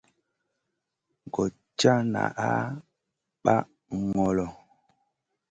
Goɗ cad naʼaɗ ɓag ŋolo.